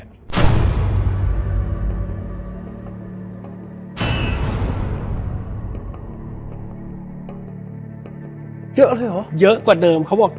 เยอะเลยเหรอเยอะกว่าเดิมเขาบอก